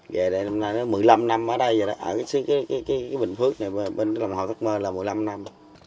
về đây năm nay một mươi năm năm ở đây rồi đó ở cái bình phước này bên lòng hồ thất mơ là một mươi năm năm